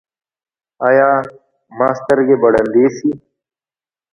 ایا زما سترګې به ړندې شي؟